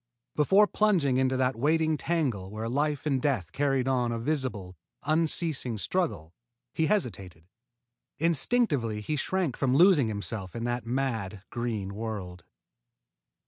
Before plunging into that waiting tangle where life and death carried on a visible, unceasing struggle, he hesitated. Instinctively he shrank from losing himself in that mad green world.